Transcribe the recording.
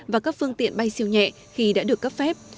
và các phương tiện bay siêu nhẹ khi đã được cấp phép